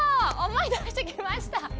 思い出してきました！